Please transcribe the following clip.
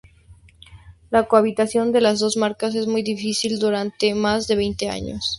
La cohabitación de las dos marcas es muy difícil durante más de veinte años.